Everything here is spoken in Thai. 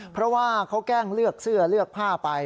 เพราะว่าเขาแกล้งเลือกเสื้อเลือกผ้าไป